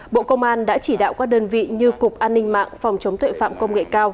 bộ công an đã chỉ đạo các đơn vị như cục an ninh mạng phòng chống tuệ phạm công nghệ cao